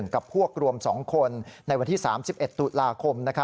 กับพวกรวม๒คนในวันที่๓๑ตุลาคม